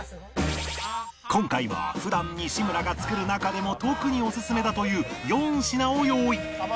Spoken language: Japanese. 今回は普段西村が作る中でも特にオススメだという４品を用意